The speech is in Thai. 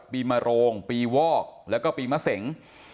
มโรงปีวอกแล้วก็ปีมะเสง